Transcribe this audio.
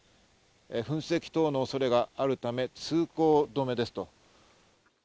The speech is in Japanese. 噴石等の恐れがあるため通行止めですと。